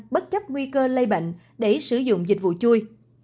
bất chấp nguy cơ lây bệnh để sử dụng dịch vụ chui